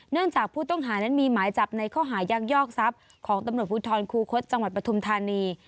จากผู้ต้องหานั้นมีหมายจับในข้อหายักยอกทรัพย์ของตำรวจภูทรคูคศจังหวัดปฐุมธานี